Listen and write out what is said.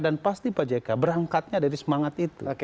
dan pasti pak jekak berangkatnya dari semangat itu